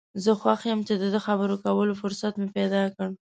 زه خوښ یم چې د دې خبرو کولو فرصت مې پیدا کړ.